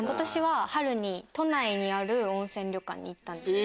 春に都内にある温泉旅館に行ったんですよ。